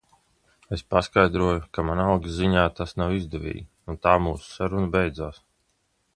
Es paskaidroju, ka man algas ziņā tas nav izdevīgi un tā mūsu saruna beidzās.